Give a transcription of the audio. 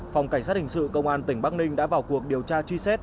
phòng cảnh sát hình sự công an tỉnh bắc ninh đã vào cuộc điều tra truy xét